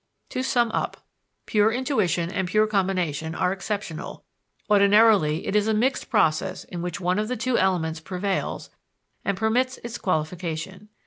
To sum up: Pure intuition and pure combination are exceptional; ordinarily, it is a mixed process in which one of the two elements prevails and permits its qualification.